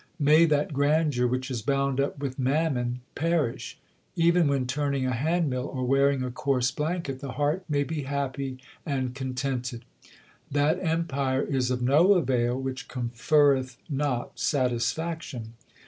May that grandeur which is bound up with mammon perish ! Even when turning a handmill or wearing a coarse blanket, the heart may be happy and contented. That empire is of no avail which conferreth not satisfaction.